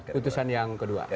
putusan yang kedua